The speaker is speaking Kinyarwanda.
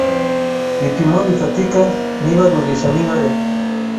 bipimo bifatika n’ibarurishamibare.